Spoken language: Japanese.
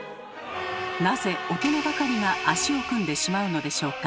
なぜ大人ばかりが足を組んでしまうのでしょうか？